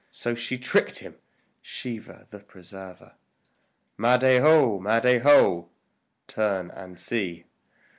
So she tricked him, Shiva the Preserver. Mahadeo! Mahadeo! Turn and see.